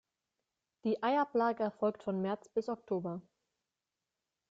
Die Eiablage erfolgt von März bis Oktober.